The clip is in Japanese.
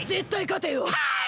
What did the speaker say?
はい！